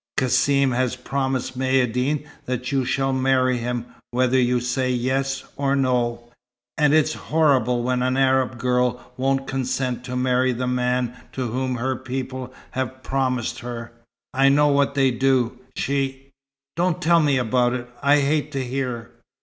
Cassim has promised Maïeddine that you shall marry him, whether you say 'yes' or 'no'. And it's horrible when an Arab girl won't consent to marry the man to whom her people have promised her. I know what they do. She " "Don't tell me about it. I'd hate to hear!"